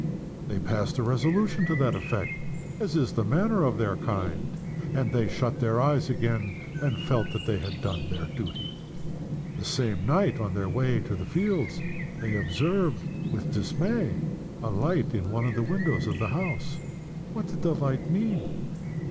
They passed a resolution to that effect, as is the manner of their kind. And then they shut their eyes again, and felt that they had done their duty. The same night, on their way to the fields, they observed with dismay a light in one of the windows of the house. What did the light mean?